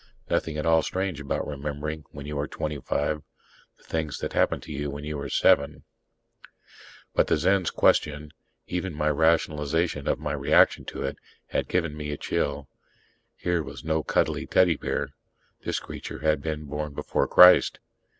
Nothing at all strange about remembering, when you are twenty five, the things that happened to you when you were seven ... But the Zen's question, even my rationalization of my reaction to it, had given me a chill. Here was no cuddly teddy bear. This creature had been born before Christ!